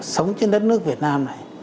sống trên đất nước việt nam này